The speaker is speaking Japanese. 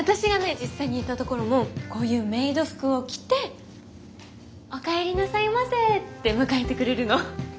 実際に行ったところもこういうメイド服を着て「おかえりなさいませ」って迎えてくれるの。